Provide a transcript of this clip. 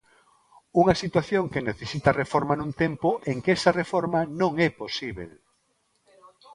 Unha situación que necesita reforma nun tempo en que esa reforma non é posíbel.